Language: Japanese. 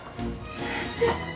先生？